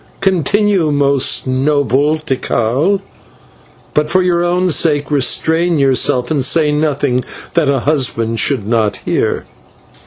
Continue, most noble Tikal; but, for your own sake, restrain yourself, and say nothing that a husband should not hear."